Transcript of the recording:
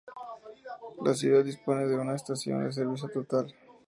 La ciudad dispone de una estación de servicio Total.